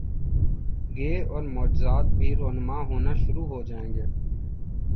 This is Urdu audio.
گے اور معجزات بھی رونما ہونا شرو ع ہو جائیں گے۔